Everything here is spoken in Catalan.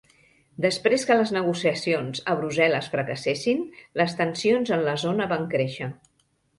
Després que les negociacions a Brussel·les fracassessin, les tensions en la zona van créixer.